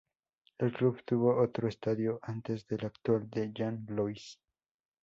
El club tuvo otro estadio antes del actual, el "Jean Louis".